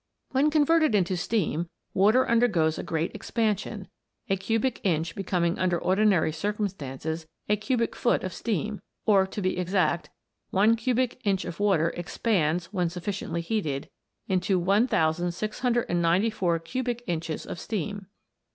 When converted into steam, water undergoes a great expansion, a cubic inch becoming under ordi nary circumstances a cubic foot of steam ; or, to be exact, one cubic inch of water expands, when suffi ciently heated, into 1694 cubic inches of steam.